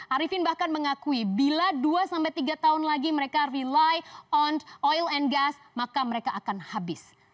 arifin bahkan mengakui bila dua tiga tahun lagi mereka rely on oil and gas maka mereka akan habis